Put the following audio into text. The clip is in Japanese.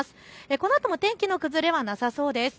このあとも天気の崩れはなさそうです。